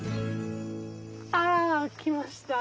あ来ました。